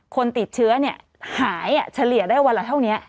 คนติดเชื้อหายเฉลี่ยได้วันละเท่านี้